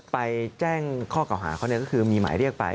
ไปแจ้งข้อเก่าหาเขาก็คือมีหมายเรียกไป